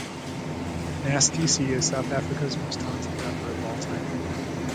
Nasty C is South Africa's most talented rapper of all time.